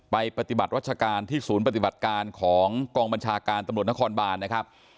ไปปฏิบัติรัชการที่ศูนย์ปฏิบัติการของกองบัญชาการตำรวจนครบานนะครับ